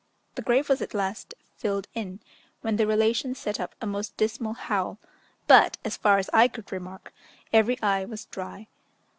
The grave was at last filled in, when the relations set up a most dismal howl, but, as far as I could remark, every eye was dry.